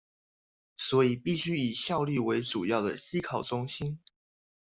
所以必須以效率為主要的思考中心